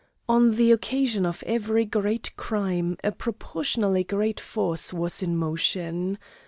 On the occasion of every great crime a proportionally great force was in motion.